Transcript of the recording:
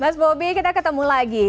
mas bobi kita ketemu lagi